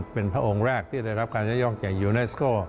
เป็นพระองค์แรกที่ได้รับการยกย่องจากยูเนสโก